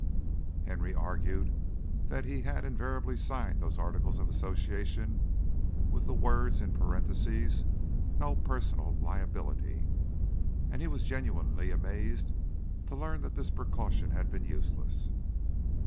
Henry argued that he had invariably signed those articles of association with the words, in parentheses, "No personal liability," and he was genuinely amazed to learn that this precaution had been useless.